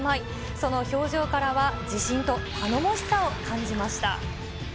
その表情からは自信と頼もしさを感じました。